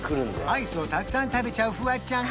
アイスをたくさん食べちゃうフワちゃん